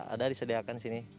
ada disediakan di sini